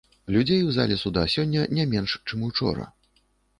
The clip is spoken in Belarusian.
Людзей у зале суда сёння не менш, чым учора.